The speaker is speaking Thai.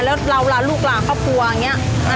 แล้วเราลาลูกลาครอบครัวอย่างนี้